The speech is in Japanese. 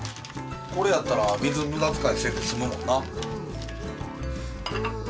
これやったら水無駄遣いせんで済むもんな。